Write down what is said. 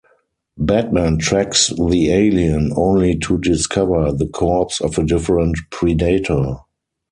Batman tracks the alien, only to discover the corpse of a different Predator.